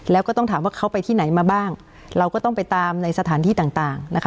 แล้วก็ต้องถามว่าเขาไปที่ไหนมาบ้างเราก็ต้องไปตามในสถานที่ต่างต่างนะคะ